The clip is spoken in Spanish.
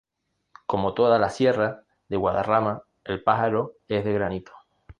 Como toda la sierra de Guadarrama, el Pájaro es de granito.